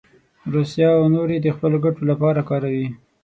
روسیه او نور یې د خپلو ګټو لپاره کاروي.